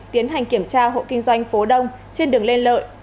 tiến hành kiểm tra hộ kinh doanh phố đông trên đường lê lợi